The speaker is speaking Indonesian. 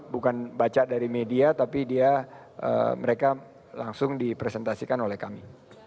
bukan baca dari media tapi dia mereka langsung dipresentasikan oleh kami